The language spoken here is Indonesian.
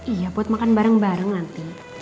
iya buat makan bareng bareng nanti tunggu ya